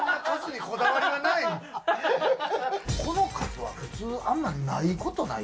この数は普通、あんまないことない？